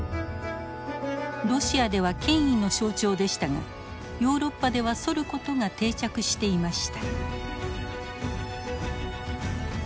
ロシアでは権威の象徴でしたがヨーロッパではそることが定着していました。